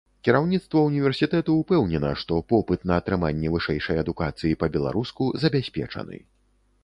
Кіраўніцтва ўніверсітэту ўпэўнена, што попыт на атрыманне вышэйшай адукацыі па-беларуску забяспечаны.